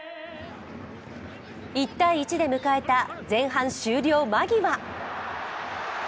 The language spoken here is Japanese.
１−１で迎えた前半終了間際。